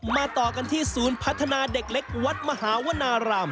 มาต่อกันที่ศูนย์พัฒนาเด็กเล็กวัดมหาวนาราม